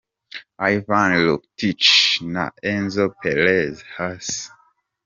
Ivan Rakitic na Enzo Perez hasi .